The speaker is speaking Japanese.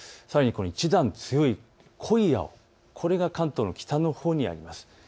さらに一段強い濃い青、これが関東の北のほうにあります。